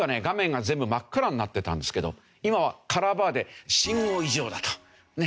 画面が全部真っ暗になってたんですけど今はカラーバーで信号異常だと。